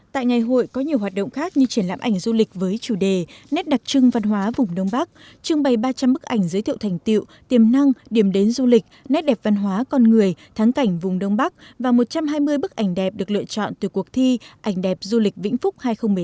tại ngày hội có nhiều hoạt động khác như triển lãm ảnh du lịch với chủ đề nét đặc trưng văn hóa vùng đông bắc trưng bày ba trăm linh bức ảnh giới thiệu thành tiệu tiềm năng điểm đến du lịch nét đẹp văn hóa con người tháng cảnh vùng đông bắc và một trăm hai mươi bức ảnh đẹp được lựa chọn từ cuộc thi ảnh đẹp du lịch vĩnh phúc hai nghìn một mươi tám